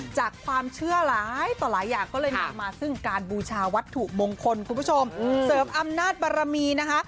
จากความเชื่อหลายต่อหลายอย่างก็เลยนำมาซึ่งการบูชาวัตถุมงคลคุณผู้ชมเสริมอำนาจบารมีนะคะ